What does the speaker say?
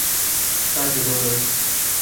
সাহায্য করুন আমায়।